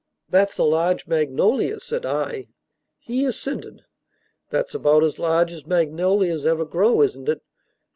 "That's a large magnolia," said I. He assented. "That's about as large as magnolias ever grow, isn't it?"